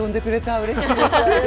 うれしいです。